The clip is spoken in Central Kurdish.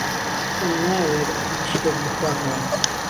تۆم نایەوێت هێچ شتێک بخواتەوە.